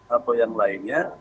atau yang lainnya